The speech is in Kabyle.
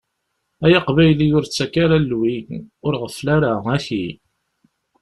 Ay Aqbayli ur ttakk ara lwi, ur ɣeffel ara, aki.